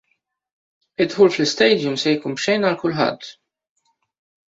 Id-dħul fl-istadium se jkun b'xejn għal kulħadd.